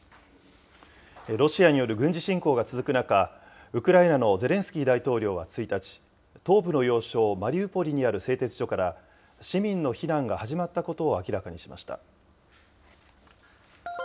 ロシアによる軍事侵攻が続く中、ウクライナのゼレンスキー大統領は１日、東部の要衝マリウポリにある製鉄所から、市民の避難が始まったことを明らかにしました。